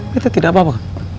beta tidak apa apa